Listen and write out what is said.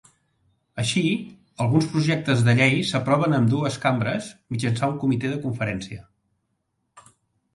Així, alguns projectes de llei s'aproven a ambdues Cambres mitjançant un comitè de conferència.